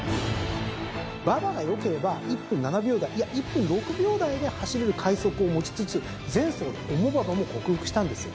馬場が良ければ１分７秒台いや１分６秒台で走れる快足を持ちつつ前走の重馬場も克服したんですよ。